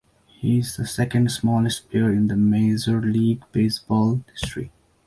He is the second-smallest player in major league baseball history.